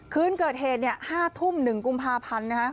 คืนเกิดเหตุ๕ทุ่ม๑กุมภาพันธ์